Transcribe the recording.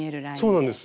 そうなんです。